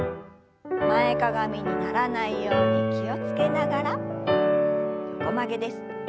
前かがみにならないように気を付けながら横曲げです。